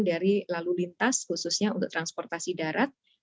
dari lalu lintas khususnya untuk transportasi darat